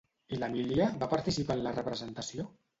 I l'Emília va participar en la representació?